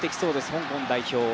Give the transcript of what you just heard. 香港代表。